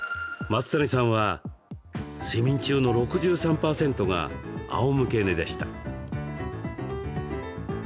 松谷さんは睡眠中の６３％があおむけ寝でした。